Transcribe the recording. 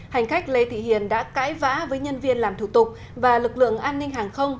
hành khách lê thị hiền đã cãi vã với nhân viên làm thủ tục và lực lượng an ninh hàng không